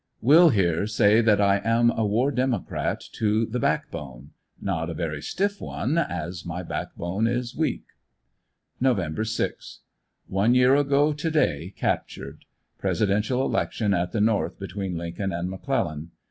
Will here say that I am a War Democrat to the backbone. Not a very stiff one, as my backbone is weak. Nov. 6. — One year ago to day captured. Presidential election at the North between Lincoln and McClellan.